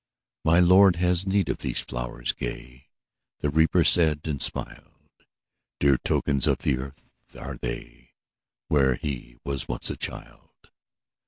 ``My Lord has need of these flowerets gay,'' The Reaper said, and smiled; ``Dear tokens of the earth are they, Where he was once a child.